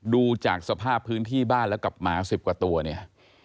ดูจากสภาพพื้นที่บ้านแล้วกับหมา๑๐กว่าตัวเนี่ย